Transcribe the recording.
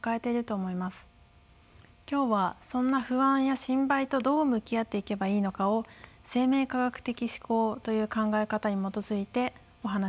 今日はそんな不安や心配とどう向き合っていけばいいのかを生命科学的思考という考え方に基づいてお話ししていきます。